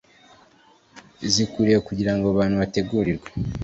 zikwiriye kugira ngo abo bantu bategurirwe